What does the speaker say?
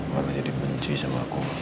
malah jadi benci sama aku